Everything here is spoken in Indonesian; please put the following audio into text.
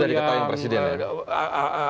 sudah diketahui oleh presiden ya